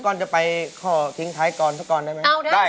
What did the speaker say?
ก่อนจะไปขอทิ้งท้ายกรสักกรได้ไหม